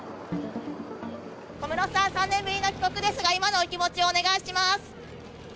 小室さん、３年ぶりの帰国ですが、今のお気持ちをお願いします。